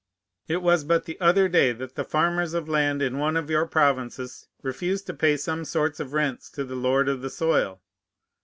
It was but the other day that the farmers of land in one of your provinces refused to pay some sorts of rents to the lord of the soil.